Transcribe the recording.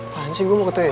tahan sih gue mau ke toilet